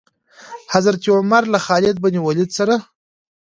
حضرت عمر له خالد بن ولید سره.